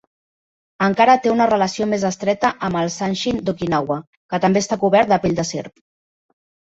Encara té una relació més estreta amb el sanshin d'Okinawa, que també està cobert de pell de serp.